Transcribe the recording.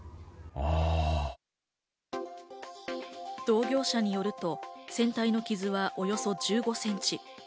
同業者によると船体の傷はおよそ１５センチ。